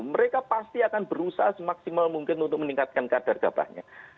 mereka pasti akan berusaha semaksimal mungkin untuk meningkatkan kadar gabahnya